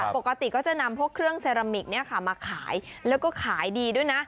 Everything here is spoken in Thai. ปกติก็จะนำพวกเครื่องเซรามิกมาขายแล้วก็ขายดีด้วยนะ